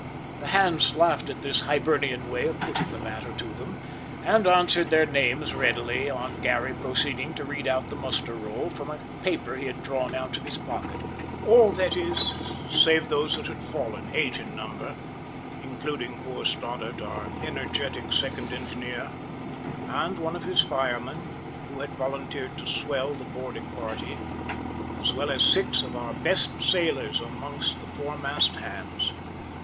The hands laughed at this Hibernian way of putting the matter to them, and answered their names readily on Garry proceeding to read out the muster roll from a paper he had drawn out of his pocket all, that is, save those that had fallen, eight in number, including poor Stoddart, our energetic second engineer, and one of his firemen who had volunteered to swell the boarding party, as well as six of our best sailors amongst the foremast hands.